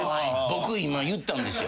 僕今言ったんです。